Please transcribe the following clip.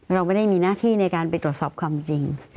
เราไม่ได้มีหน้าที่ในการไปตรวจสอบความจริง